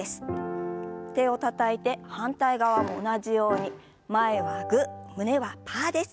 手をたたいて反対側も同じように前はグー胸はパーです。